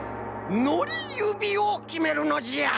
のりゆびをきめるのじゃ！